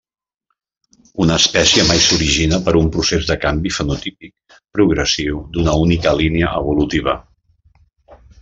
Una espècie mai s'origina per un procés de canvi fenotípic progressiu d'una única línia evolutiva.